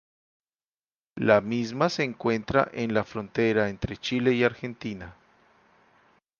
La misma se encuentra en la frontera entre Chile y Argentina.